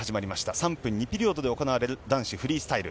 ３分２ピリオドで行われる男子フリースタイル。